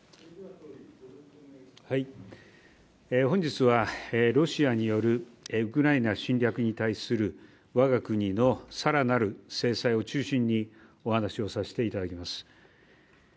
本日は、ロシアによるウクライナ侵略に対する、わが国のさらなる制裁を中心にお話をさせていただきます。